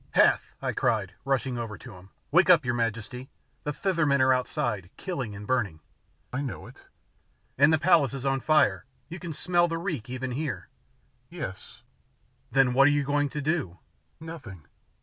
"Hath!" I cried, rushing over to him, "wake up, your majesty. The Thither men are outside, killing and burning!" "I know it." "And the palace is on fire. You can smell the reek even here." "Yes." "Then what are you going to do?" "Nothing."